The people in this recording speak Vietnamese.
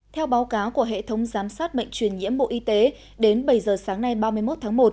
theo báo cáo của hệ thống giám sát bệnh truyền nhiễm bộ y tế đến bảy giờ sáng nay ba mươi một tháng một